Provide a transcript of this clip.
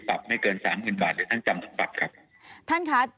ไม่เกินสามหมื่นบาทหรือท่านจำทั้งปรับครับท่านค่ะ